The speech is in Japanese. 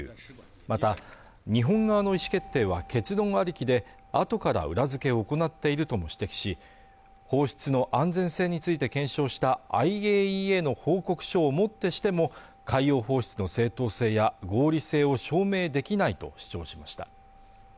また、日本側の意思決定は結論ありきで、後から裏付けを行っているとも指摘し、放出の安全性について検証したＩＡＥＡの報告書をもってしても海洋放出の正当性や合理性を証明できないと主張しました。